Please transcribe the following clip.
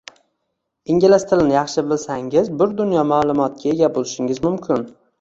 Ingliz tilini yaxshi bilsangiz, bir dunyo ma’lumotga ega bo’lishingiz mumkin